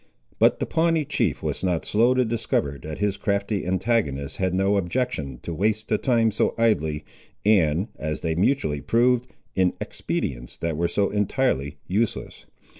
But the Pawnee chief was not slow to discover that his crafty antagonist had no objection to waste the time so idly, and, as they mutually proved, in expedients that were so entirely useless.